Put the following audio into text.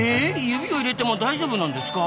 指を入れても大丈夫なんですか？